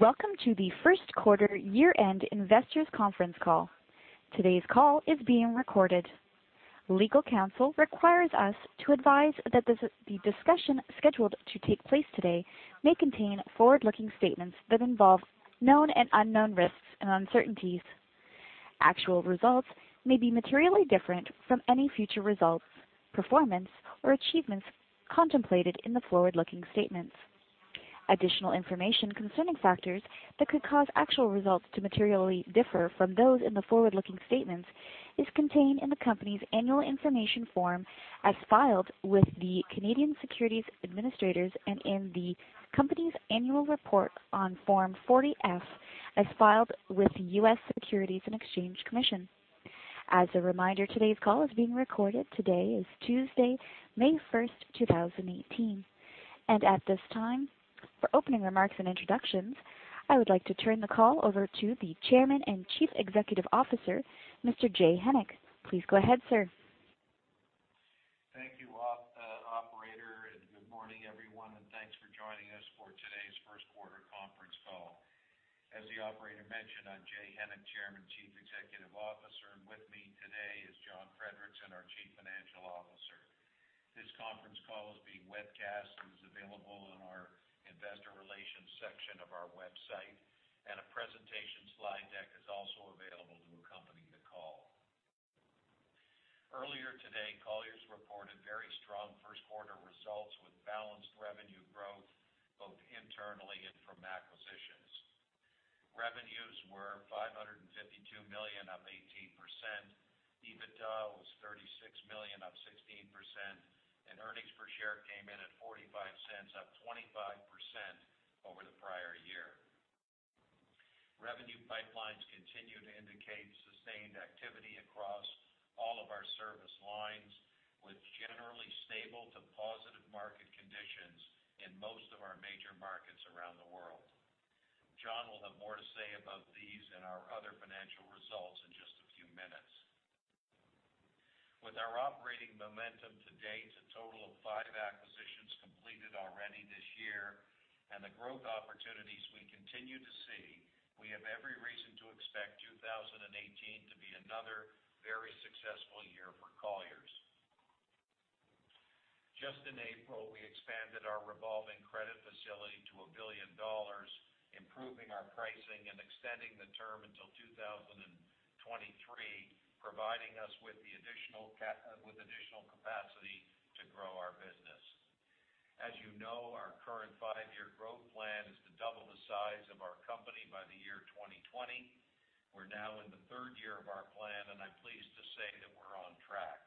Welcome to the first quarter year-end investors' conference call. Today's call is being recorded. Legal counsel requires us to advise that the discussion scheduled to take place today may contain forward-looking statements that involve known and unknown risks and uncertainties. Actual results may be materially different from any future results, performance, or achievements contemplated in the forward-looking statements. Additional information concerning factors that could cause actual results to materially differ from those in the forward-looking statements is contained in the company's annual information form as filed with the Canadian Securities Administrators and in the company's annual report on Form 40-F, as filed with the U.S. Securities and Exchange Commission. As a reminder, today's call is being recorded. Today is Tuesday, May 1st, 2018. At this time, for opening remarks and introductions, I would like to turn the call over to the Chairman and Chief Executive Officer, Mr. Jay Hennick. Please go ahead, sir. Thank you, operator. Good morning, everyone, and thanks for joining us for today's first quarter conference call. As the operator mentioned, I am Jay Hennick, Chairman and Chief Executive Officer, with me today is John Friedrichsen, our Chief Financial Officer. This conference call is being webcast and is available on our investor relations section of our website, and a presentation slide deck is also available to accompany the call. Earlier today, Colliers reported very strong first quarter results with balanced revenue growth, both internally and from acquisitions. Revenues were $552 million, up 18%, EBITDA was $36 million, up 16%, and earnings per share came in at $0.45, up 25% over the prior year. Revenue pipelines continue to indicate sustained activity across all of our service lines, with generally stable to positive market conditions in most of our major markets around the world. John will have more to say about these and our other financial results in just a few minutes. With our operating momentum to date, a total of five acquisitions completed already this year, and the growth opportunities we continue to see, we have every reason to expect 2018 to be another very successful year for Colliers. Just in April, we expanded our revolving credit facility to $1 billion, improving our pricing and extending the term until 2023, providing us with additional capacity to grow our business. As you know, our current five-year growth plan is to double the size of our company by the year 2020. We are now in the third year of our plan, and I am pleased to say that we are on track.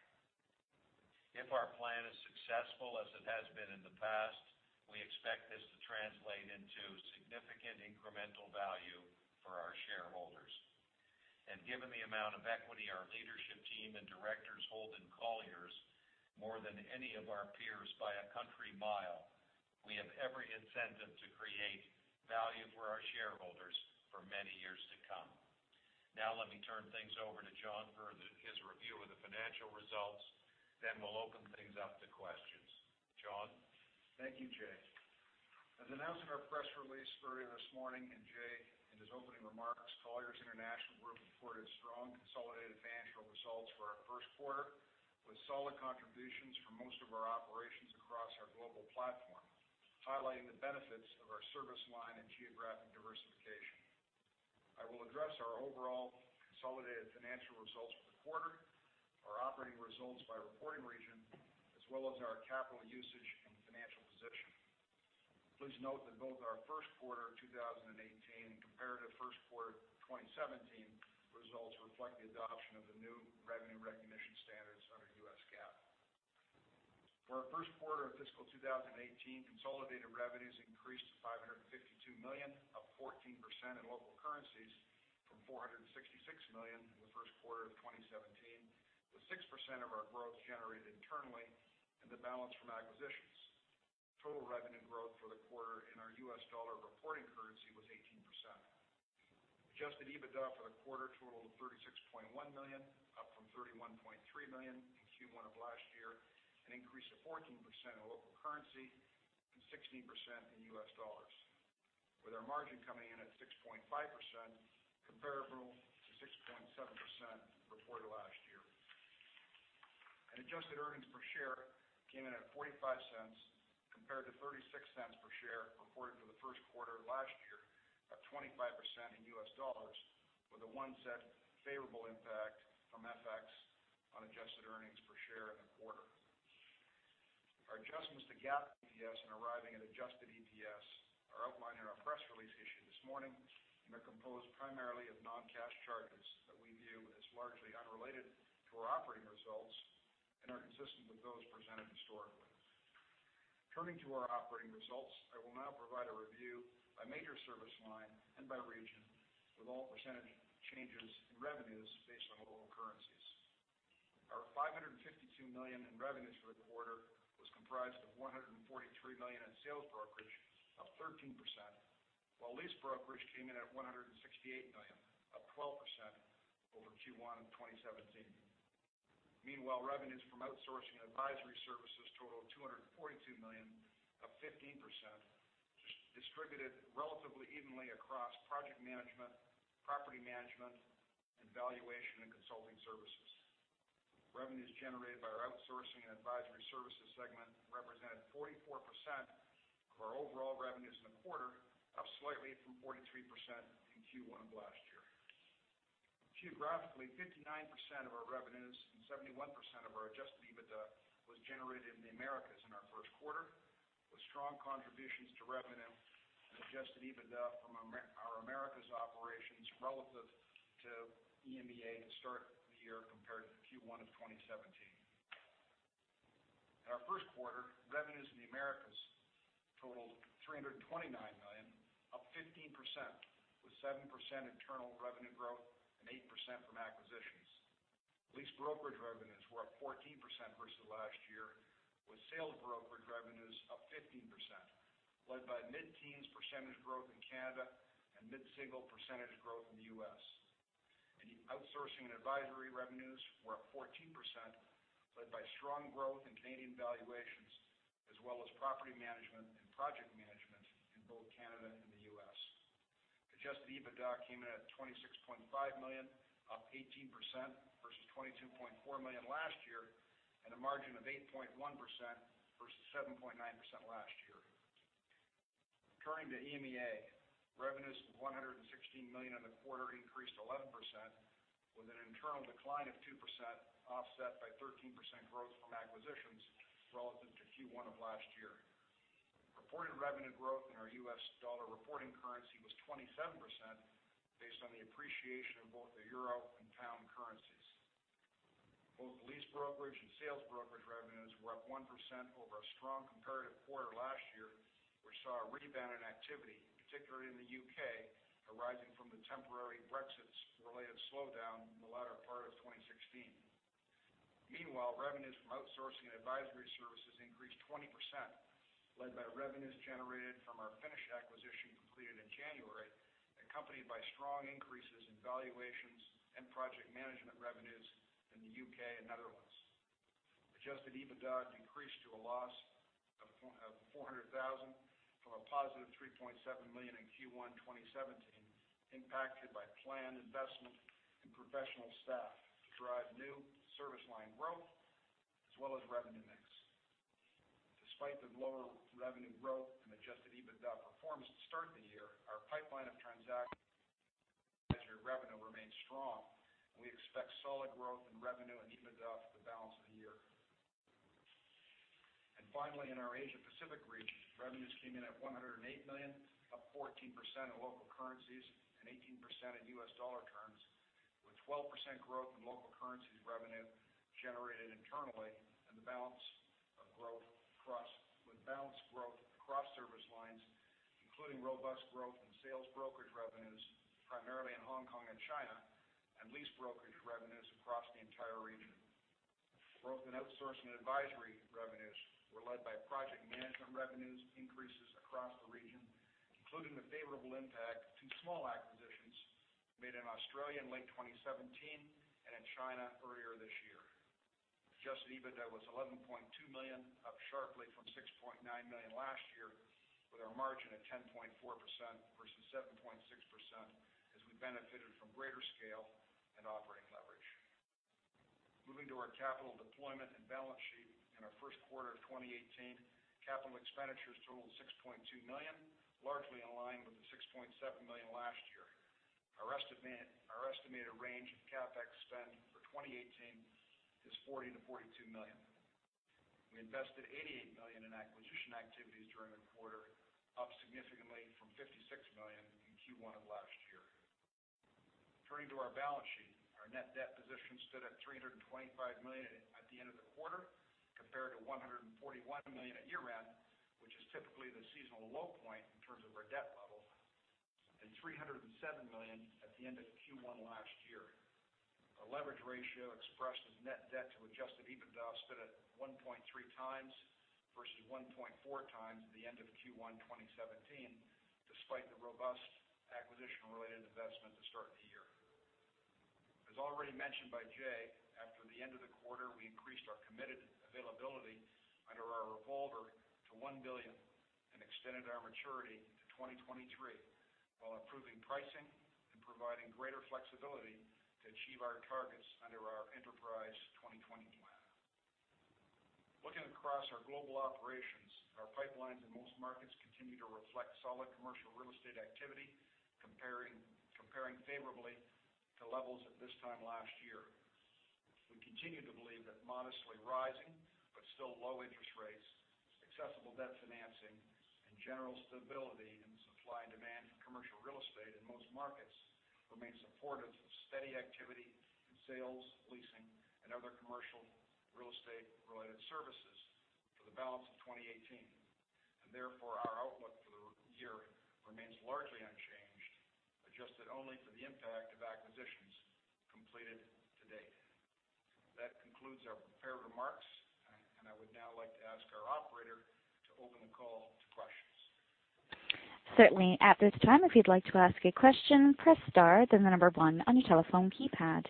If our plan is successful as it has been in the past, we expect this to translate into significant incremental value for our shareholders. Given the amount of equity our leadership team and directors hold in Colliers, more than any of our peers by a country mile, we have every incentive to create value for our shareholders for many years to come. Now let me turn things over to John for his review of the financial results, then we'll open things up to questions. John? Thank you, Jay. As announced in our press release earlier this morning, and Jay in his opening remarks, Colliers International Group reported strong consolidated financial results for our first quarter, with solid contributions from most of our operations across our global platform, highlighting the benefits of our service line and geographic diversification. I will address our overall consolidated financial results for the quarter, our operating results by reporting region, as well as our capital usage and financial position. Please note that both our first quarter 2018 and comparative first quarter 2017 results reflect the adoption of the new revenue recognition standards under US GAAP. For our first quarter of fiscal 2018, consolidated revenues increased to $552 million, up 14% in local currencies from $466 million in the first quarter of 2017, with 6% of our growth generated internally and the balance from acquisitions. Total revenue growth for the quarter in our U.S. dollar reporting currency was 18%. Adjusted EBITDA for the quarter totaled $36.1 million, up from $31.3 million in Q1 of last year, an increase of 14% in local currency and 16% in U.S. dollars, with our margin coming in at 6.5%, comparable to 6.7% reported last year. Adjusted earnings per share came in at $0.45 compared to $0.36 per share reported for the first quarter of last year, up 25% in U.S. dollars with a $0.01 favorable impact from FX on adjusted earnings per share in the quarter. Our adjustments to GAAP EPS in arriving at adjusted EPS are outlined in our press release issued this morning and are composed primarily of non-cash charges that we view as largely unrelated to our operating results and are consistent with those presented historically. Turning to our operating results, I will now provide a review by major service line and by region, with all percentage changes in revenues based on local currencies. Our $552 million in revenues for the quarter was comprised of $143 million in sales brokerage, up 13%, while lease brokerage came in at $168 million, up 12% over Q1 in 2017. Revenues from outsourcing and advisory services totaled $242 million, up 15%, distributed relatively evenly across project management, property management, and valuation and consulting services. Revenues generated by our outsourcing and advisory services segment represented 44% of our overall revenues in the quarter, up slightly from 43% in Q1 of last year. Geographically, 59% of our revenues and 71% of our adjusted EBITDA was generated in the Americas in our first quarter, with strong contributions to revenue and adjusted EBITDA from our Americas operations relative to EMEA to start the year compared to Q1 2017. In our first quarter, revenues in the Americas totaled $329 million, up 15%, with 7% internal revenue growth and 8% from acquisitions. Lease brokerage revenues were up 14% versus last year, with Sales brokerage revenues up 15%, led by mid-teens % growth in Canada and mid-single % growth in the U.S. Outsourcing and Advisory revenues were up 14%, led by strong growth in Canadian Valuations as well as Property Management and Project Management in both Canada and the U.S. Adjusted EBITDA came in at $26.5 million, up 18%, versus $22.4 million last year, and a margin of 8.1% versus 7.9% last year. Turning to EMEA. Revenues of $116 million in the quarter increased 11%, with an internal decline of 2% offset by 13% growth from acquisitions relative to Q1 last year. Reported revenue growth in our U.S. dollar reporting currency was 27%, based on the appreciation of both the EUR and GBP currencies. Both Lease brokerage and Sales brokerage revenues were up 1% over a strong comparative quarter last year, which saw a rebound in activity, particularly in the U.K., arising from the temporary Brexit-related slowdown in the latter part of 2016. Revenues from Outsourcing and Advisory Services increased 20%, led by revenues generated from our Finnish acquisition completed in January, accompanied by strong increases in Valuations and Project Management revenues in the U.K. and Netherlands. Adjusted EBITDA increased to a loss of $400,000 from a positive $3.7 million in Q1 2017, impacted by planned investment in professional staff to drive new service line growth as well as revenue mix. Despite the lower revenue growth and Adjusted EBITDA performance to start the year, our pipeline of transactions revenue remains strong. We expect solid growth in revenue and EBITDA for the balance of the year. Finally, in our Asia Pacific region, revenues came in at $108 million, up 14% in local currencies and 18% in U.S. dollar terms, with 12% growth in local currencies revenue generated internally and with balanced growth across service lines, including robust growth in Sales brokerage revenues, primarily in Hong Kong and China, and Lease brokerage revenues across the entire region. Growth in Outsourcing and Advisory revenues were led by Project Management revenues increases across the region, including the favorable impact of two small acquisitions made in Australia in late 2017 and in China earlier this year. Adjusted EBITDA was $11.2 million, up sharply from $6.9 million last year, with our margin at 10.4% versus 7.6% as we benefited from greater scale and operating leverage. Moving to our capital deployment and balance sheet. In our first quarter 2018, Capital expenditures totaled $6.2 million, largely in line with the $6.7 million last year. Our estimated range of CapEx spend for 2018 is $40 million-$42 million. We invested $88 million in acquisition activities during the quarter, up significantly from $56 million in Q1 last year. Turning to our balance sheet. Our net debt position stood at $325 million at the end of the quarter, compared to $141 million at year-end, which is typically the seasonal low point in terms of our debt level, and $307 million at the end of Q1 last year. Our leverage ratio expressed as net debt to adjusted EBITDA stood at 1.3 times versus 1.4 times at the end of Q1 2017, despite the robust acquisition-related investment to start the year. As already mentioned by Jay, after the end of the quarter, we increased our committed availability under our revolver to $1 billion and extended our maturity to 2023, while improving pricing and providing greater flexibility to achieve our targets under our Enterprise 2020 plan. Looking across our global operations, our pipelines in most markets continue to reflect solid commercial real estate activity, comparing favorably to levels at this time last year. We continue to believe that modestly rising but still low interest rates, successful debt financing, and general stability in supply and demand for commercial real estate in most markets remains supportive of steady activity in sales, leasing, and other commercial real estate-related services for the balance of 2018. Therefore, our outlook for the year remains largely unchanged, adjusted only for the impact of acquisitions completed to date. That concludes our prepared remarks, and I would now like to ask our operator to open the call to questions. Certainly. At this time, if you'd like to ask a question, press star, then the number one on your telephone keypad.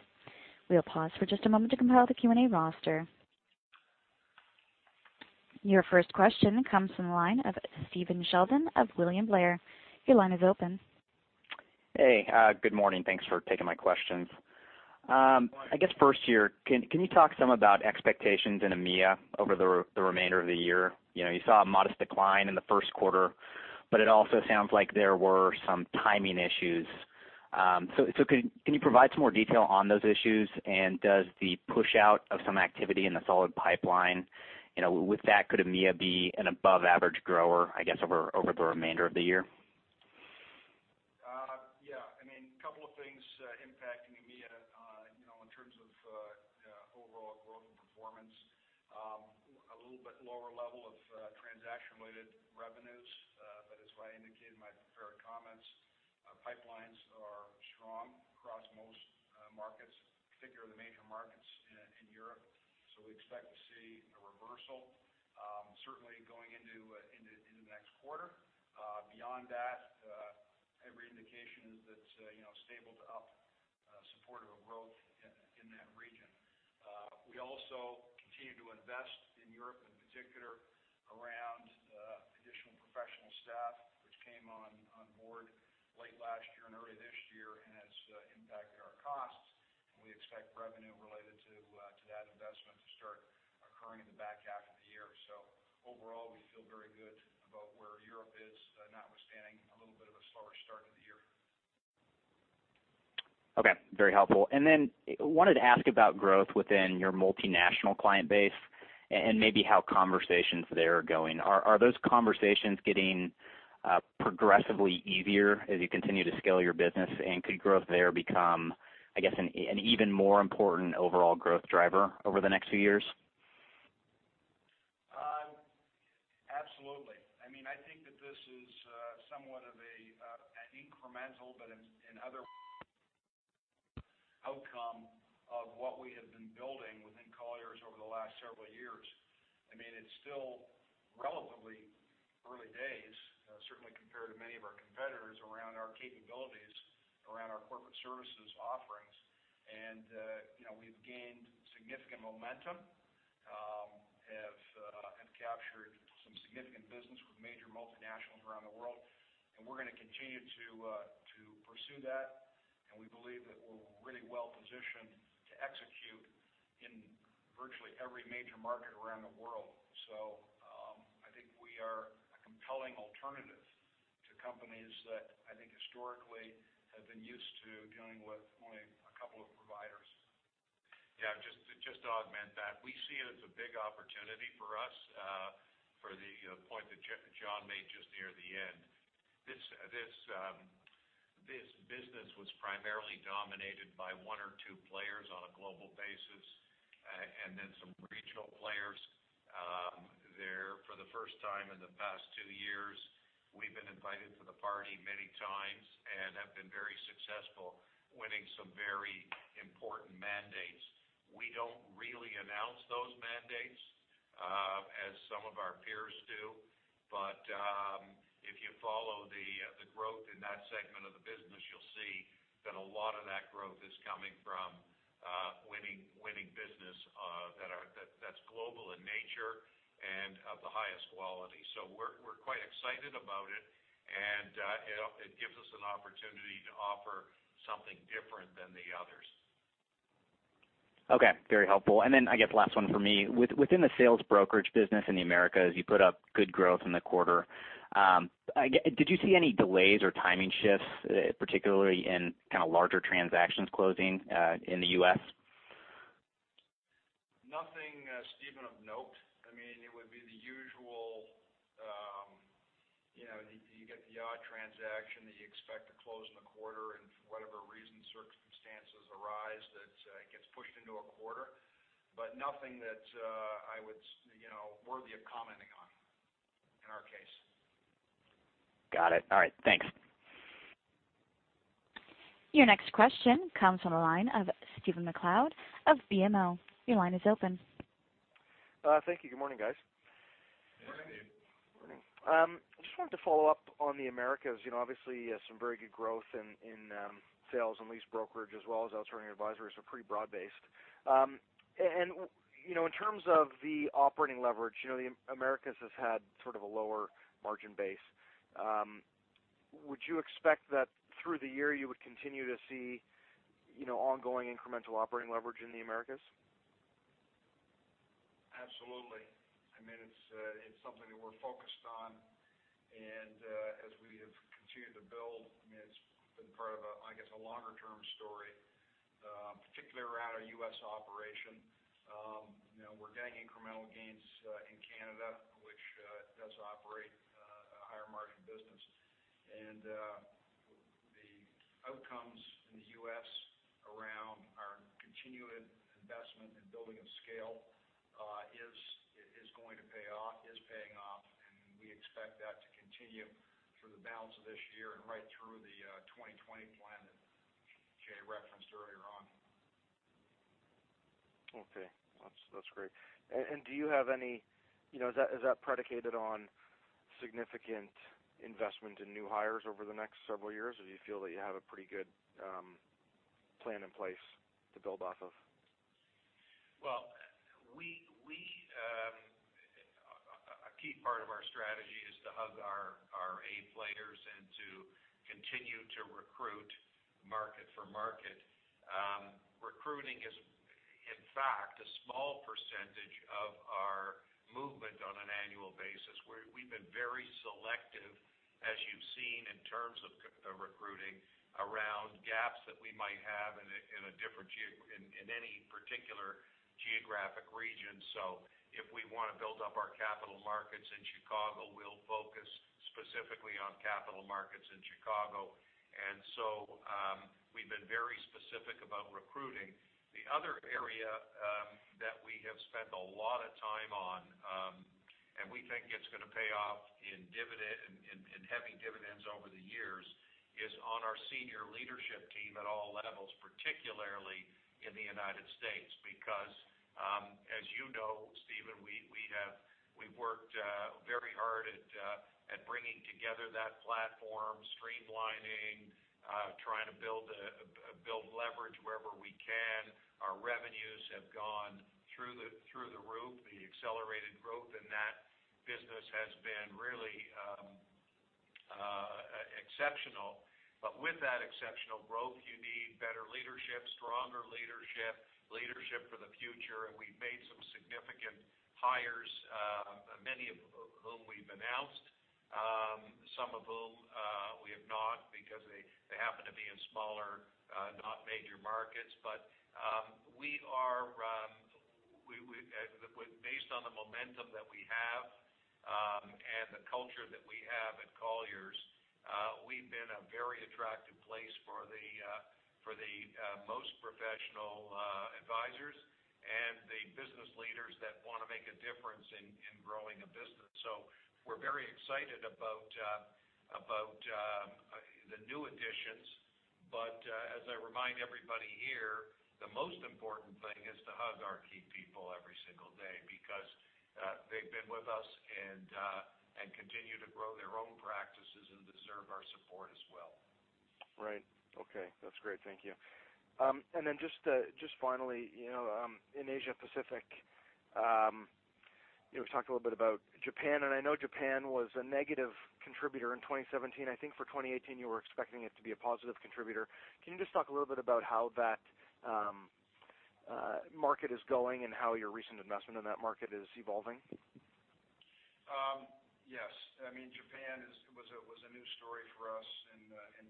We'll pause for just a moment to compile the Q&A roster. Your first question comes from the line of Stephen Sheldon of William Blair. Your line is open. Hey, good morning. Thanks for taking my questions. I guess first here, can you talk some about expectations in EMEA over the remainder of the year? You saw a modest decline in the first quarter, but it also sounds like there were some timing issues. Can you provide some more detail on those issues? Does the push out of some activity in the solid pipeline, with that, could EMEA be an above average grower, I guess, over the remainder of the year? Yeah. A couple of things impacting EMEA in terms of overall growth and performance. A little bit lower level of transaction-related revenues but as I indicated in my prepared comments, pipelines are strong across most markets, particularly the major markets in Europe. We expect to see a reversal certainly going into the next quarter. Beyond that, every indication is that stable to up supportive of growth in that region. We also continue to invest in Europe in particular around additional professional staff, which came on board late last year and early this year and has impacted our costs, and we expect revenue related to that investment to start occurring in the back half of the year. Overall, we feel very good about where Europe is notwithstanding a little bit of a slower start to the year. Okay. Very helpful. Then wanted to ask about growth within your multinational client base and maybe how conversations there are going. Are those conversations getting progressively easier as you continue to scale your business? Could growth there become, I guess, an even more important overall growth driver over the next few years? Absolutely. I think that this is somewhat of an incremental, but in other outcome of what we have been building within Colliers over the last several years. It's still relatively early days certainly compared to many of our competitors around our capabilities, around our corporate services offerings. We've gained significant momentum, have captured some significant business with major multinationals around the world, we're going to continue to pursue that, and we believe that we're really well positioned to execute in virtually every major market around the world. I think we are a compelling alternative to companies that I think historically have been used to dealing with only a couple of providers. Yeah, just to augment that. We see it as a big opportunity for us for the point that John made just near the end. This business was primarily dominated by one or two players on a global basis, and then some regional players there for the first time in the past two years. We've been invited to the party many times and have been very successful winning some very important mandates. We don't really announce those mandates as some of our peers do. If you follow the growth in that segment of the business, you'll see that a lot of that growth is coming from winning business that's global in nature and of the highest quality. We're quite excited about it, and it gives us an opportunity to offer something different than the others. Okay. Very helpful. I guess the last one for me. Within the sales brokerage business in the Americas, you put up good growth in the quarter. Did you see any delays or timing shifts, particularly in larger transactions closing in the U.S.? Nothing, Stephen, of note. It would be the usual, you get the odd transaction that you expect to close in the quarter, and for whatever reason, circumstances arise that it gets pushed into a quarter. Nothing that worthy of commenting on in our case. Got it. All right. Thanks. Your next question comes from the line of Stephen MacLeod of BMO. Your line is open. Thank you. Good morning, guys. Morning. Morning. Just wanted to follow up on the Americas. Obviously, some very good growth in sales and lease brokerage as well as outsourcing advisory, so pretty broad-based. In terms of the operating leverage, the Americas has had sort of a lower margin base. Would you expect that through the year you would continue to see ongoing incremental operating leverage in the Americas? Absolutely. It's something that we're focused on, as we have continued to build, it's been part of, I guess, a longer term story, particularly around our U.S. operation. We're getting incremental gains in Canada, which does operate a higher margin business. The outcomes in the U.S. around our continued investment in building of scale is going to pay off, is paying off, and we expect that to continue through the balance of this year and right through the 2020 plan that J. referenced earlier on Okay. That's great. Is that predicated on significant investment in new hires over the next several years? Do you feel that you have a pretty good plan in place to build off of? Well, a key part of our strategy is to hug our A players and to continue to recruit market for market. Recruiting is, in fact, a small percentage of our movement on an annual basis, where we've been very selective, as you've seen, in terms of recruiting around gaps that we might have in any particular geographic region. If we want to build up our Capital Markets in Chicago, we'll focus specifically on Capital Markets in Chicago. We've been very specific about recruiting. The other area that we have spent a lot of time on, and we think it's going to pay off in heavy dividends over the years, is on our senior leadership team at all levels, particularly in the U.S. As you know, Stephen, we've worked very hard at bringing together that platform, streamlining, trying to build leverage wherever we can. Our revenues have gone through the roof. The accelerated growth in that business has been really exceptional. With that exceptional growth, you need better leadership, stronger leadership for the future. We've made some significant hires, many of whom we've announced, some of whom we have not because they happen to be in smaller, not major markets. Based on the momentum that we have and the culture that we have at Colliers, we've been a very attractive place for the most professional advisors and the business leaders that want to make a difference in growing a business. We're very excited about the new additions. As I remind everybody here, the most important thing is to hug our key people every single day because they've been with us and continue to grow their own practices and deserve our support as well. Right. Okay. That's great. Thank you. Just finally, in Asia Pacific, we talked a little bit about Japan, and I know Japan was a negative contributor in 2017. I think for 2018, you were expecting it to be a positive contributor. Can you just talk a little bit about how that market is going and how your recent investment in that market is evolving? Yes. Japan was a new story for us in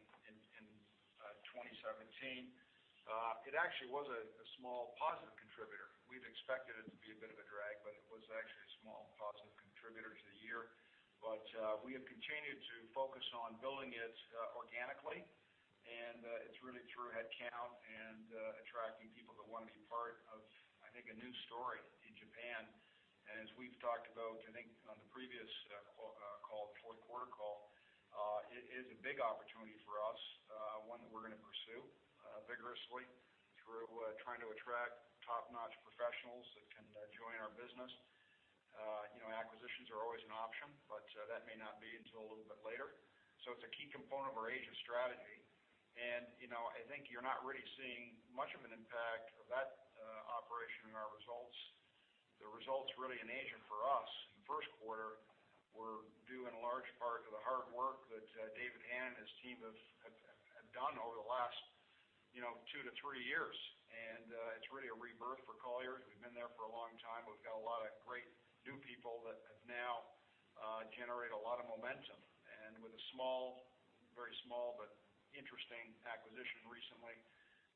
2017. It actually was a small positive contributor. We'd expected it to be a bit of a drag, but it was actually a small positive contributor to the year. We have continued to focus on building it organically, and it's really through headcount and attracting people that want to be part of, I think, a new story in Japan. As we've talked about, I think on the previous call, the fourth quarter call, it is a big opportunity for us, one that we're going to pursue vigorously through trying to attract top-notch professionals that can join our business. Acquisitions are always an option, but that may not be until a little bit later. It's a key component of our Asia strategy. I think you're not really seeing much of an impact of that operation in our results. The results really in Asia for us in the first quarter were due in large part to the hard work that David Hand and his team have done over the last two to three years, and it's really a rebirth for Colliers. We've been there for a long time. We've got a lot of great new people that now generate a lot of momentum. With a very small but interesting acquisition recently,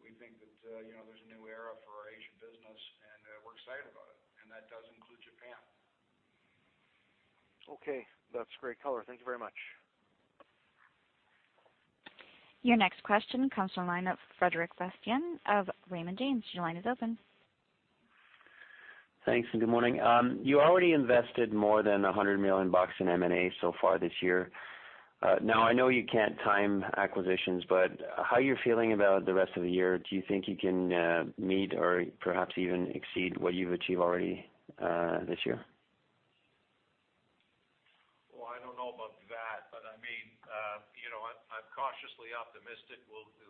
we think that there's a new era for our Asia business, and we're excited about it, and that does include Japan. Okay. That's great color. Thank you very much. Your next question comes from the line of Frederic Bastien of Raymond James. Your line is open. Thanks, and good morning. You already invested more than $100 million in M&A so far this year. Now, I know you can't time acquisitions, but how are you feeling about the rest of the year? Do you think you can meet or perhaps even exceed what you've achieved already this year? Well, I don't know about that, but I'm cautiously optimistic.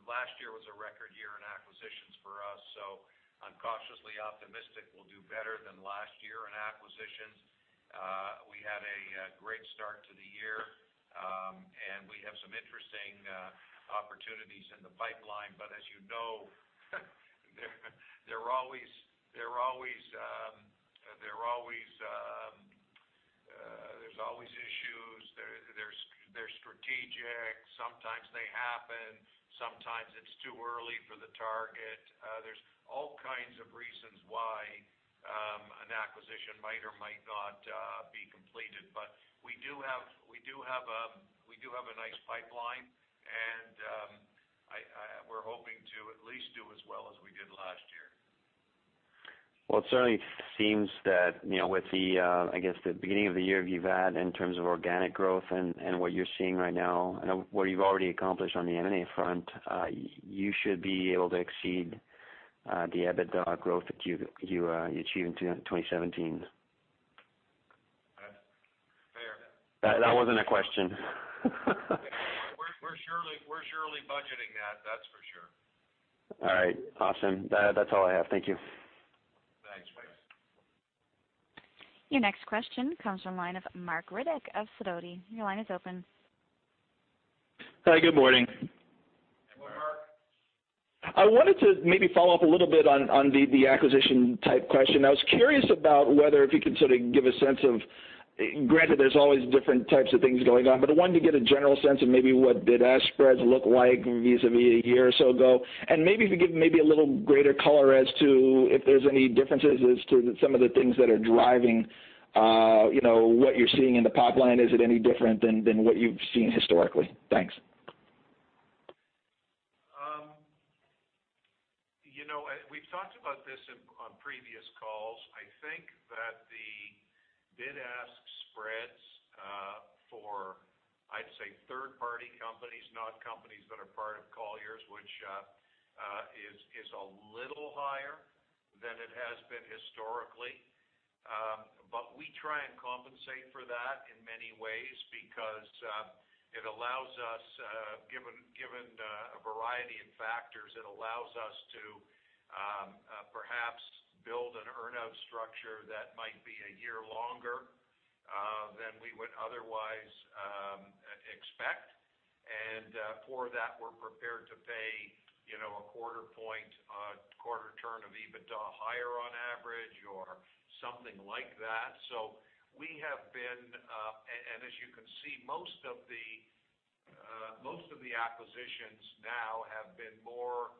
Last year was a record year in acquisitions for us, so I'm cautiously optimistic we'll do better than last year in acquisitions. We had a great start to the year, and we have some interesting opportunities in the pipeline. As you know, there's always issues. They're strategic. Sometimes they happen. Sometimes it's too early for the target. There's all kinds of reasons why an acquisition might or might not be completed. We do have a nice pipeline, and we're hoping to at least do as well as we did last year. Well, it certainly seems that with the beginning of the year you've had in terms of organic growth and what you're seeing right now and what you've already accomplished on the M&A front, you should be able to exceed the EBITDA growth that you achieved in 2017. That wasn't a question. We're surely budgeting that's for sure. All right. Awesome. That's all I have. Thank you. Thanks, Chris. Your next question comes from the line of Marc Riddick of Sidoti. Your line is open. Hi, good morning. Good morning, Marc. I wanted to maybe follow up a little bit on the acquisition type question. I was curious about whether if you could sort of give a sense of, granted there's always different types of things going on, but I wanted to get a general sense of maybe what bid-ask spreads look like vis-à-vis a year or so ago. Maybe if you give maybe a little greater color as to if there's any differences as to some of the things that are driving what you're seeing in the pipeline. Is it any different than what you've seen historically? Thanks. We've talked about this on previous calls. I think that the bid-ask spreads for, I'd say, third-party companies, not companies that are part of Colliers, which is a little higher than it has been historically. We try and compensate for that in many ways because, given a variety of factors, it allows us to perhaps build an earn-out structure that might be a year longer than we would otherwise expect. For that, we're prepared to pay a quarter point, a quarter turn of EBITDA higher on average or something like that. As you can see, most of the acquisitions now have been more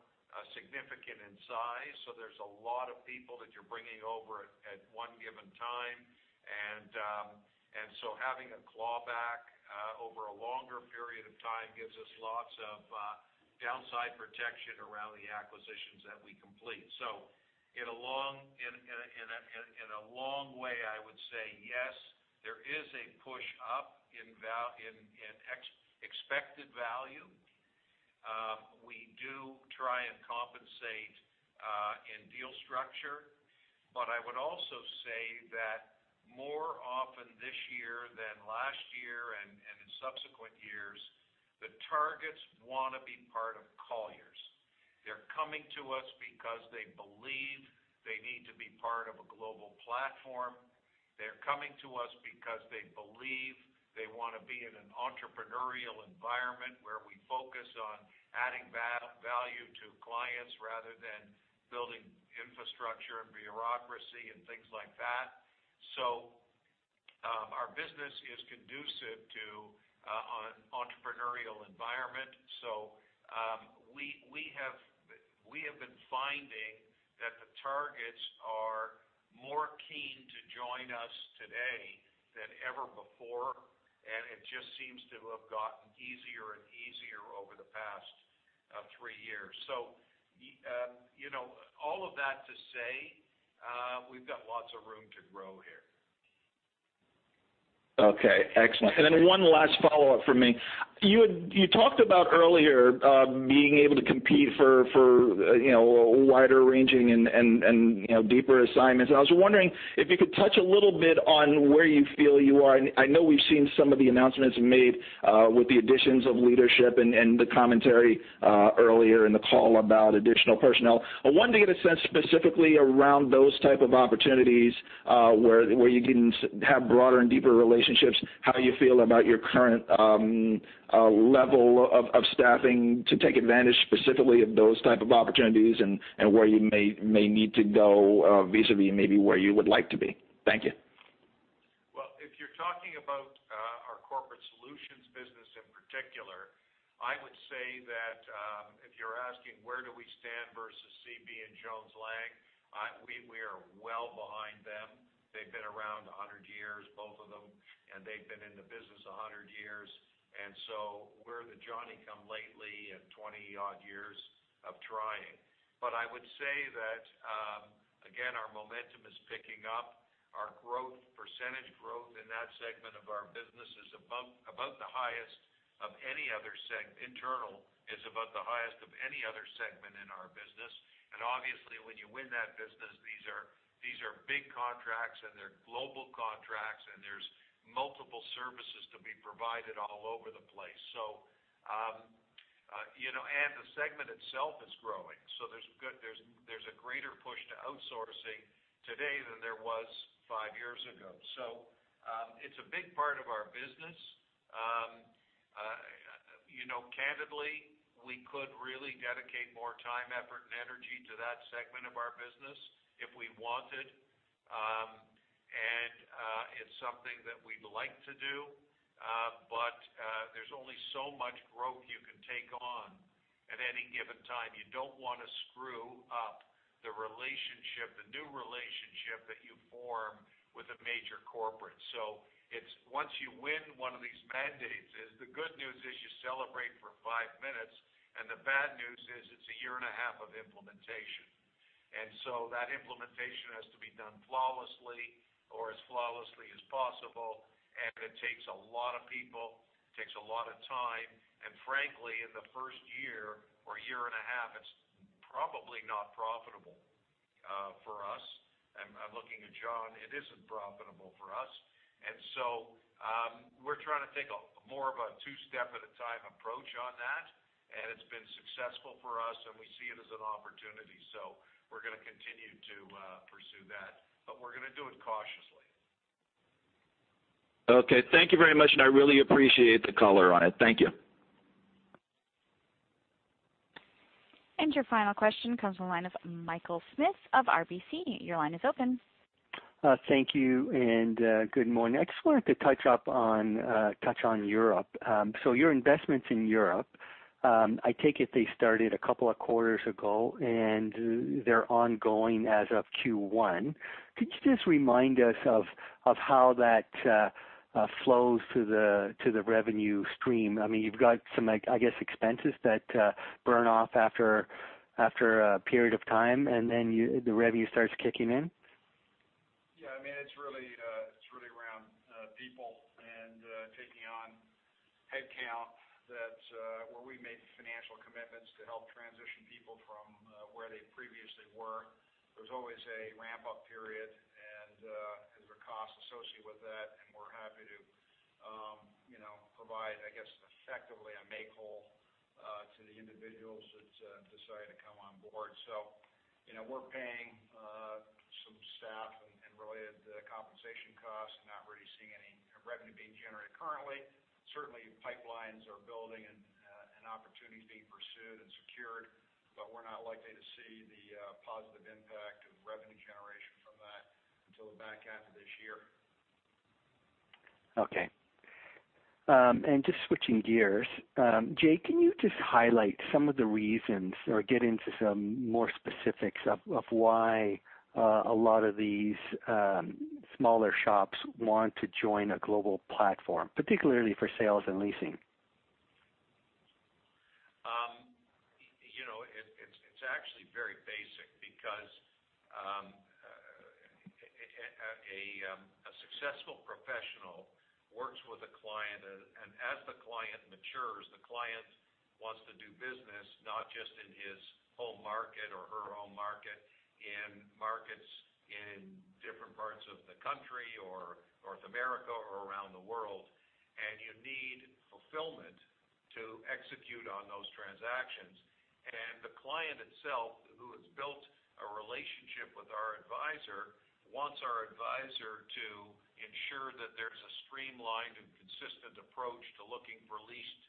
significant in size. There's a lot of people that you're bringing over at one given time. Having a clawback over a longer period of time gives us lots of downside protection around the acquisitions that we complete. In a long way, I would say yes, there is a push up in expected value. We do try and compensate in deal structure. I would also say that more often this year than last year and in subsequent years, the targets want to be part of Colliers. They're coming to us because they believe they need to be part of a global platform. They're coming to us because they believe they want to be in an entrepreneurial environment where we focus on adding value to clients rather than building infrastructure and bureaucracy and things like that. Our business is conducive to an entrepreneurial environment. We have been finding that the targets are more keen to join us today than ever before, and it just seems to have gotten easier and easier over the past three years. All of that to say, we've got lots of room to grow here. Okay. Excellent. Then one last follow-up from me. You talked about earlier, being able to compete for wider ranging and deeper assignments. I was wondering if you could touch a little bit on where you feel you are. I know we've seen some of the announcements made with the additions of leadership and the commentary earlier in the call about additional personnel. I wanted to get a sense specifically around those type of opportunities where you can have broader and deeper relationships, how you feel about your current level of staffing to take advantage specifically of those type of opportunities and where you may need to go vis-à-vis maybe where you would like to be. Thank you. Well, if you're talking about our Corporate Solutions business in particular, I would say that if you're asking where do we stand versus CB and Jones Lang, we are well behind them. They've been around 100 years, both of them, and they've been in the business 100 years. We're the Johnny-come-lately and 20-odd years of trying. I would say that again, our momentum is picking up. Our percentage growth in that segment of our business is about the highest of any other internal, is about the highest of any other segment in our business. Obviously, when you win that business, these are big contracts and they're global contracts, and there's multiple services to be provided all over the place. The segment itself is growing, so there's a greater push to outsourcing today than there was five years ago. It's a big part of our business. Candidly, we could really dedicate more time, effort, and energy to that segment of our business if we wanted. It's something that we'd like to do. There's only so much growth you can take on at any given time. You don't want to screw up the new relationship that you form with a major corporate. Once you win one of these mandates, the good news is you celebrate for five minutes, and the bad news is it's a year and a half of implementation. That implementation has to be done flawlessly or as flawlessly as possible, and it takes a lot of people, it takes a lot of time, and frankly, in the first year or year and a half, it's probably not profitable. For us, I'm looking at John, it isn't profitable for us. We're trying to take more of a two-step-at-a-time approach on that, and it's been successful for us, and we see it as an opportunity. We're going to continue to pursue that, we're going to do it cautiously. Okay. Thank you very much, I really appreciate the color on it. Thank you. Your final question comes from the line of Michael Smith of RBC. Your line is open. Thank you, and good morning. I just wanted to touch on Europe. Your investments in Europe, I take it they started a couple of quarters ago, and they're ongoing as of Q1. Could you just remind us of how that flows to the revenue stream? You've got some, I guess, expenses that burn off after a period of time and then the revenue starts kicking in? Yeah. It's really around people and taking on headcount, that where we made financial commitments to help transition people from where they previously were. There's always a ramp-up period, and there are costs associated with that, and we're happy to provide, I guess, effectively a make-whole to the individuals that decide to come on board. We're paying some staff and related compensation costs and not really seeing any revenue being generated currently. Certainly, pipelines are building and opportunities being pursued and secured, but we're not likely to see the positive impact of revenue generation from that until the back end of this year. Okay. Just switching gears. Jay, can you just highlight some of the reasons or get into some more specifics of why a lot of these smaller shops want to join a global platform, particularly for sales and leasing? It's actually very basic because a successful professional works with a client, as the client matures, the client wants to do business not just in his home market or her home market, in markets in different parts of the country or North America or around the world. You need fulfillment to execute on those transactions. The client itself, who has built a relationship with our advisor, wants our advisor to ensure that there's a streamlined and consistent approach to looking for leased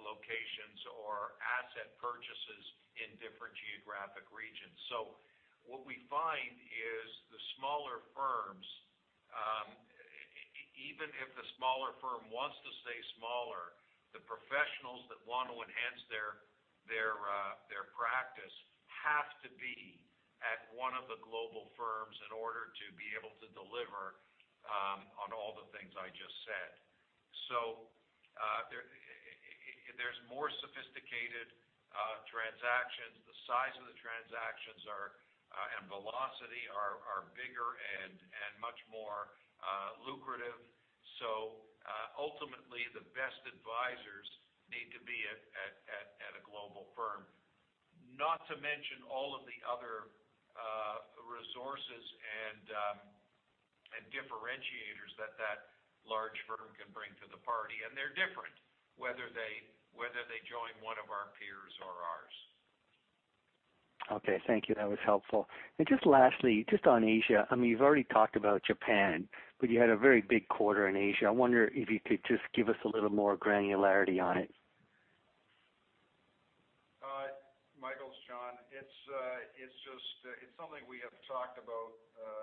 locations or asset purchases in different geographic regions. What we find is the smaller firms, even if the smaller firm wants to stay smaller, the professionals that want to enhance their practice have to be at one of the global firms in order to be able to deliver on all the things I just said. There's more sophisticated transactions. The size of the transactions and velocity are bigger and much more lucrative. Ultimately, the best advisors need to be at a global firm. Not to mention all of the other resources and differentiators that large firm can bring to the party. They're different, whether they join one of our peers or ours. Okay. Thank you. That was helpful. Just lastly, just on Asia. You've already talked about Japan, but you had a very big quarter in Asia. I wonder if you could just give us a little more granularity on it. Michael, it's John. It's something we have talked about,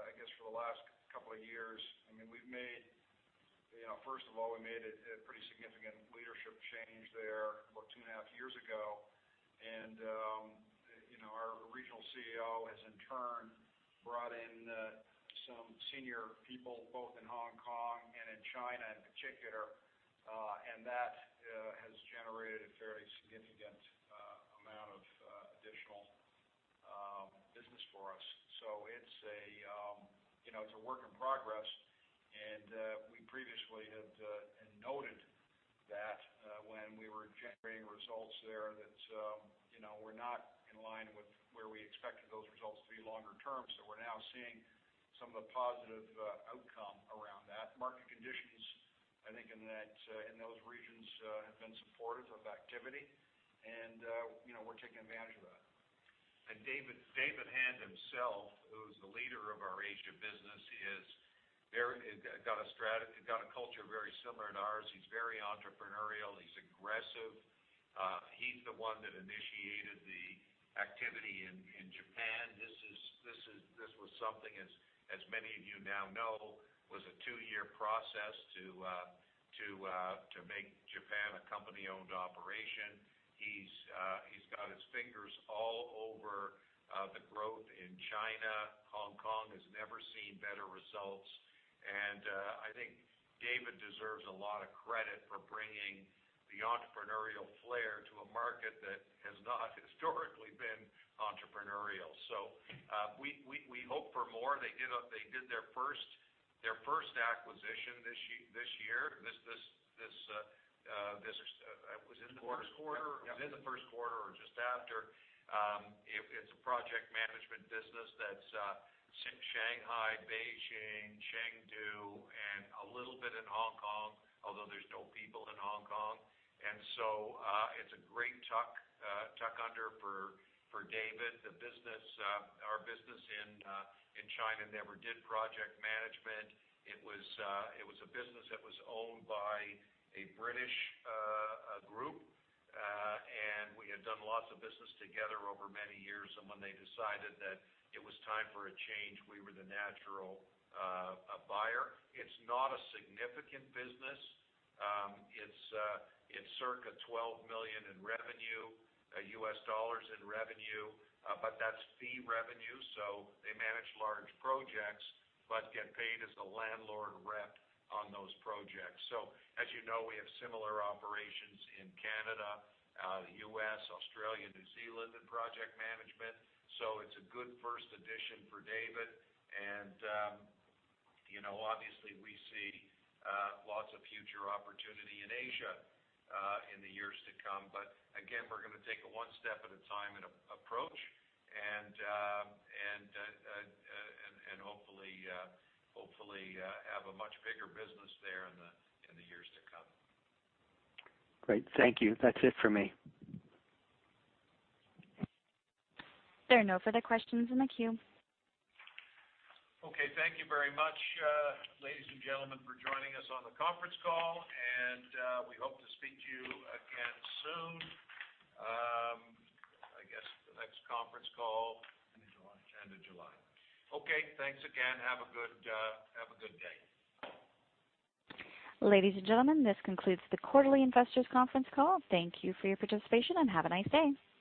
I guess, for the last couple of years. First of all, we made a pretty significant leadership change there about two and a half years ago. Our regional CEO has, in turn, brought in some senior people, both in Hong Kong and in China in particular. That has generated a fairly significant amount of additional business for us. It's a work in progress. We previously had noted that when we were generating results there that were not in line with where we expected those results to be longer term. We're now seeing some of the positive outcome around that. Market conditions, I think in those regions, have been supportive of activity. We're taking advantage of that. David Hand himself, who's the leader of our Asia business, got a culture very similar to ours. He's very entrepreneurial. He's aggressive. He's the one that initiated the activity in Japan. This was something, as many of you now know, was a two-year process to make Japan a company-owned operation. He's got his fingers all over the growth in China. Hong Kong has never seen better results. I think David deserves a lot of credit for bringing the entrepreneurial flair to a market that has not historically been entrepreneurial. We hope for more. They did their first acquisition this year. It was in the first quarter. Quarter, yep. In the first quarter or just after. It's a Project Management business that's Shanghai, Beijing, Chengdu, and a little bit in Hong Kong, although there's no people in Hong Kong. It's a great tuck under for David. Our business in China never did Project Management. It was a business that was owned by a British group. We had done lots of business together over many years. When they decided that it was time for a change, we were the natural buyer. It's not a significant business. It's circa $12 million in revenue, USD in revenue. That's fee revenue, so they manage large projects but get paid as the landlord rent on those projects. As you know, we have similar operations in Canada, U.S., Australia, New Zealand in Project Management. It's a good first addition for David. Obviously we see lots of future opportunity in Asia in the years to come. Again, we're going to take a one step at a time approach and hopefully have a much bigger business there in the years to come. Great. Thank you. That's it for me. There are no further questions in the queue. Okay. Thank you very much, ladies and gentlemen, for joining us on the conference call, and we hope to speak to you again soon. End of July. End of July. Okay, thanks again. Have a good day. Ladies and gentlemen, this concludes the quarterly investors conference call. Thank you for your participation, and have a nice day.